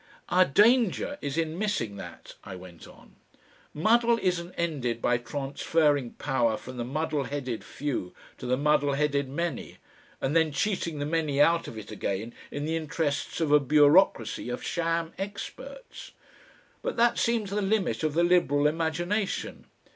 "Our danger is in missing that," I went on. "Muddle isn't ended by transferring power from the muddle headed few to the muddle headed many, and then cheating the many out of it again in the interests of a bureaucracy of sham experts. But that seems the limit of the liberal imagination.